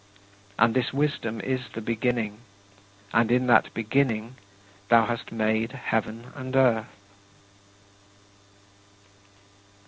" And this Wisdom is the Beginning, and in that Beginning thou hast made heaven and earth.